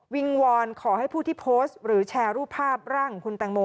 วอนขอให้ผู้ที่โพสต์หรือแชร์รูปภาพร่างของคุณแตงโม